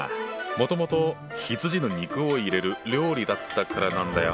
もともと羊の肉を入れる料理だったからなんだよ。